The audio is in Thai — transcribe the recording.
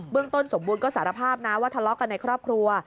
ต้นสมบูรณ์ก็สารภาพนะว่าทะเลาะกันในครอบครัว